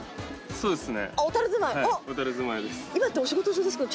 そうですね。